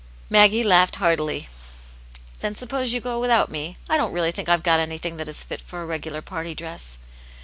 Maggie laughed heartily. "Then suppose you go without me? I don't really think IVe got anything that is fit for a regular party dress."